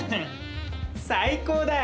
最高だよ！